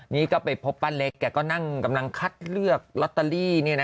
นี่ก็ไปพบป้าเล็กแกก็นั่งกำลังคัดเลือกลอตเตอรี่